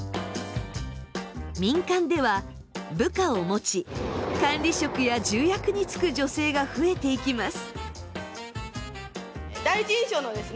民間では部下を持ち管理職や重役に就く女性が増えていきます。